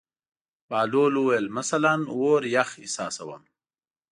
بهلول وویل: مثلاً اور یخ احساسوم.